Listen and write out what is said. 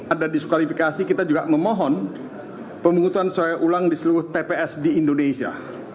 ada diskualifikasi kita juga memohon pemutusan seluruh tps di indonesia